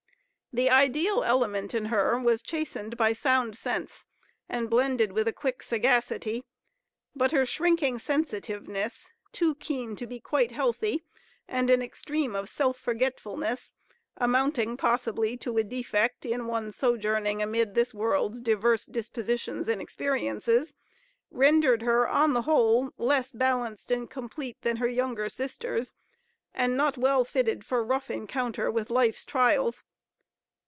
The ideal element in her was chastened by sound sense and blended with a quick sagacity; but her shrinking sensitiveness, too keen to be quite healthy, and an extreme of self forgetfulness, amounting possibly to a defect in one sojourning amid this world's diverse dispositions and experiences, rendered her, on the whole, less balanced and complete than her younger sisters, and not well fitted for rough encounter with life's trials.